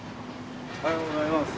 おはようございます。